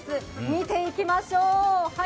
見ていきましょう。